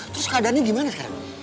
terus keadaannya gimana sekarang